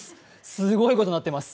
すごいことになってます。